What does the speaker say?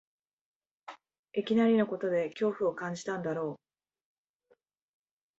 いきなりのことで恐怖を感じたんだろう